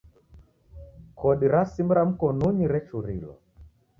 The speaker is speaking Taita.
Kodi ra simu ra mkonunyi rechurilwa.